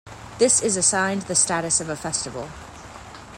This is assigned the status of a Festival.